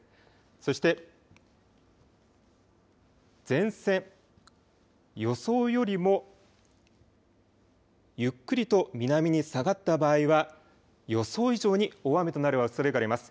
そして、前線、予想よりもゆっくりと南に下がった場合は、予想以上に大雨となるおそれがあります。